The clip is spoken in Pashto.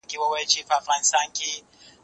زه بايد کالي وچوم!.